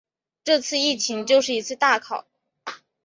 这次疫情就是一次大考